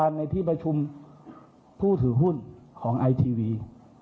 ในที่ประชุมผู้ถือหุ้นของไอทีวี